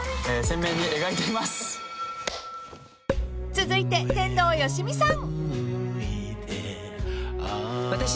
［続いて天童よしみさん］